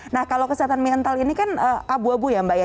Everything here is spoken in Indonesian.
nah kalau kesehatan mental ini kan abu abu ya mbak ya